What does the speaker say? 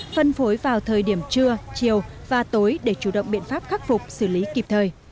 phân phối vào thời điểm trưa chiều và tối để chủ động biện pháp khắc phục xử lý kịp thời